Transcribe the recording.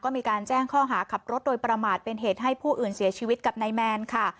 มีการแจ้งข้อหาขับรถโดยประมาทเป็นเหตุให้ผู้อื่นเสียชีวิตกับนายแมนค่ะ